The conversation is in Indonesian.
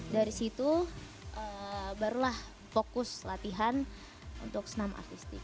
dari situ barulah fokus latihan untuk senam artistik